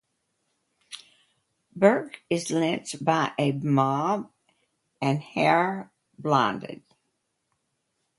Burke is lynched by a mob and Hare blinded.